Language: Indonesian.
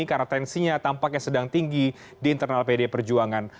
karena tensinya tampaknya sedang tinggi di internal pdi perjuangan